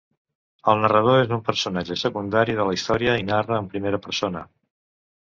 El narrador és un personatge secundari de la història i narra en primera persona.